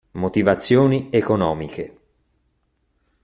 Motivazioni economiche.